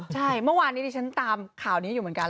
ใช่เมื่อวานนี้ดิฉันตามข่าวนี้อยู่เหมือนกัน